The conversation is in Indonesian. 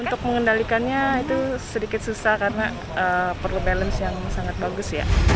untuk mengendalikannya itu sedikit susah karena perlu balance yang sangat bagus ya